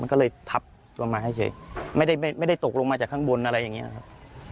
มันก็เลยทับลงมาให้เฉยไม่ได้ไม่ได้ตกลงมาจากข้างบนอะไรอย่างนี้ครับ